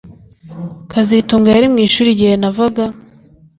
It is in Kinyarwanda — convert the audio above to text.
kazitunga yari mu ishuri igihe navaga